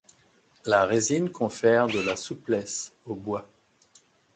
La résine confère de la souplesse au bois.